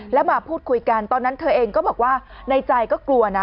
แล้วมาพูดคุยกันตอนนั้นเธอเองก็บอกว่าในใจก็กลัวนะ